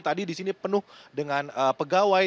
tadi di sini penuh dengan pegawai